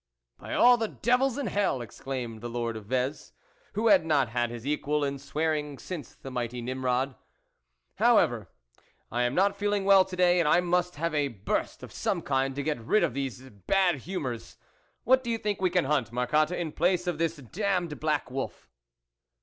11 By all the devils in hell ! exclaimed the Lord of Vez, who had not had his equal in swearing since the mighty Nimrod, " however, I am not feeling well to day, and I must have a burst of some kind, to ' get rid of these bad humours. What do you think we can hunt, Marcotte, in place of this damned black wolf?"